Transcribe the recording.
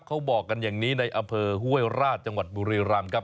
เขาบอกกันอย่างนี้ในอำเภอห้วยราชจังหวัดบุรีรำครับ